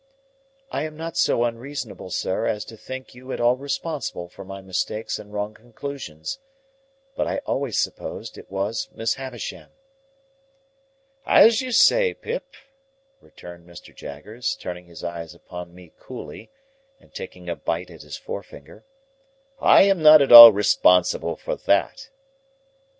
"I am not so unreasonable, sir, as to think you at all responsible for my mistakes and wrong conclusions; but I always supposed it was Miss Havisham." "As you say, Pip," returned Mr. Jaggers, turning his eyes upon me coolly, and taking a bite at his forefinger, "I am not at all responsible for that."